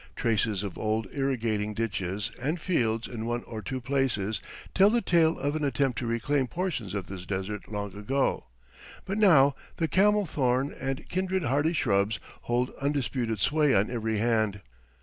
Traces of old irrigating ditches and fields in one or two places tell the tale of an attempt to reclaim portions of this desert long ago; but now the camel thorn and kindred hardy shrubs hold undisputed sway on every hand.